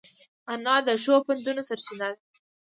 انا د ښو پندونو سرچینه ده